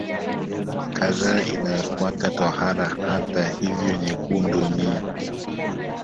kadhaa inayofuata tohara Hata hivyo nyekundu ni